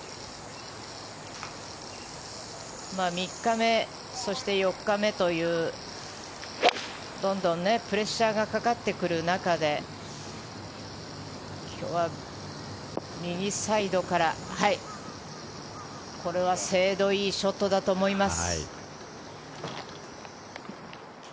３日目そして４日目というどんどんプレッシャーがかかってくる中で今日は右サイドからこれは精度がいいショットだと思います。